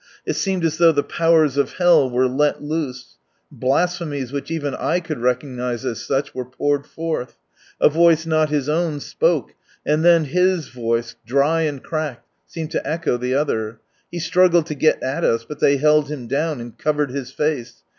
It seemed as though the powers of hell were let loose. Blasphemies which even I could recognise as such, were poured forth. A voice not his own spoke, and then hh voice, dry and cracked, seemed to echo the Other. He struggled to get at us, but they held him down, and covered his face.